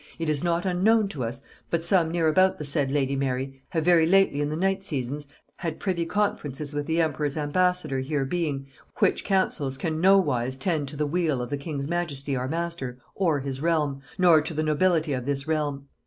"It is not unknown to us but some near about the said lady Mary have very lately in the night seasons had privy conferences with the emperor's embassador here being, which councils can no wise tend to the weal of the king's majesty our master or his realm, nor to the nobility of this realm.